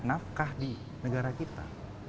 nafkah di negara kita